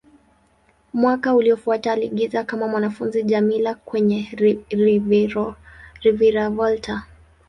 Mwaka uliofuata, aliigiza kama mwanafunzi Djamila kwenye "Reviravolta".